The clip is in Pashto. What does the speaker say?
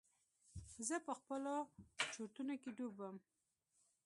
زه په خپلو چورتونو کښې ډوب وم.